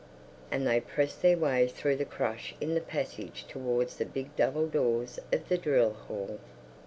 and they pressed their way through the crush in the passage towards the big double doors of the drill hall.